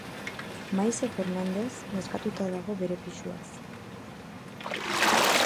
Masie Fernandez nazkatuta dago bere pixuaz